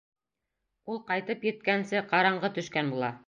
Ул ҡайтып еткәнсе ҡараңғы төшкән була.